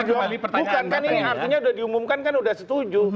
bukan artinya ini sudah diumumkan sudah setuju